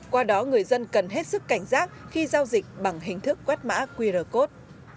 qua đó người dân cần hết sức cảnh giác khi giao dịch bằng hình thức quét mã quy rờ cốt